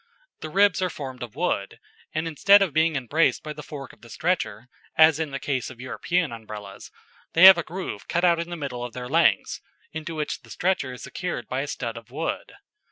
The ribs are formed of wood; and instead of being embraced by the fork of the stretcher, as in the case of European Umbrellas, they have a groove cut out in the middle of their lengths, into which the stretcher is secured by a stud of wood.